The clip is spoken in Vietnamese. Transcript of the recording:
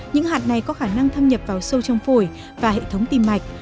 những hạt này có khả năng thâm nhập vào sâu trong phổi và hệ thống tim mạch